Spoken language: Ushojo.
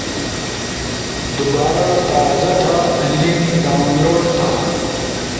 دوبارا تازا تھا، لنک ڈاونلوڈ تھا